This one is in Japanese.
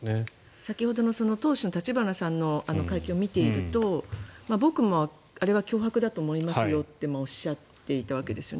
先ほど、党首の立花さんの会見を見ていますと僕もあれは脅迫だと思いますよっておっしゃっていたわけですよね。